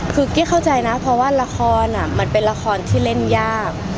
คือกี้เข้าใจนะเพราะว่าละครมันเป็นละครที่เล่นยาก